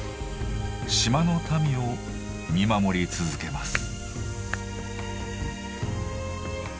島の民を見守り続けます。